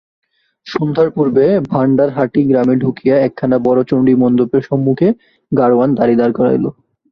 সন্ধ্যার পূর্বে ভাণ্ডারহাটি গ্রামে ঢুকিয়া একখানা বড় চণ্ডীমণ্ডপের সম্মুখে গাড়োয়ান গাড়ী দাঁড় করাইল।